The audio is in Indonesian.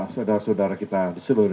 saudara saudara kita di seluruh indonesia